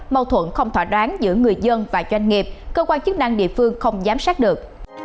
mâu thuẫn không thỏa đoán giữa người dân và doanh nghiệp cơ quan chức năng địa phương không giám sát được